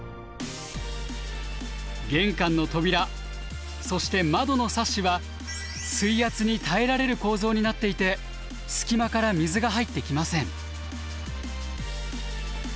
玄関の扉そして窓のサッシは水圧に耐えられる構造になっていて隙間から水が入ってきません。